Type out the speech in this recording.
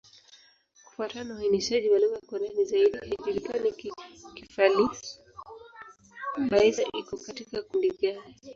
Kufuatana na uainishaji wa lugha kwa ndani zaidi, haijulikani Kifali-Baissa iko katika kundi gani.